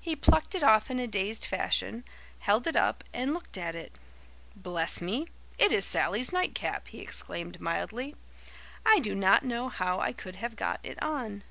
He plucked it off in a dazed fashion, held it up, and looked at it. 'Bless me, it is Sally's nightcap!' he exclaimed mildly. 'I do not know how I could have got it on.